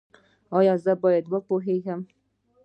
ایا زه باید وپوهیږم؟